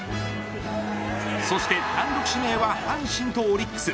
そして単独指名は阪神とオリックス。